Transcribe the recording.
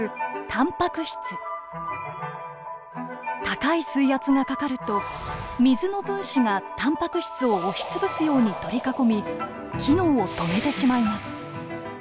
高い水圧がかかると水の分子がたんぱく質を押し潰すように取り囲み機能を止めてしまいます。